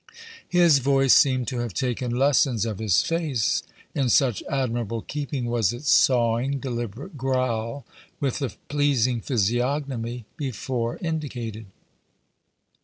His voice seemed to have taken lessons of his face, in such admirable keeping was its sawing, deliberate growl with the pleasing physiognomy before indicated.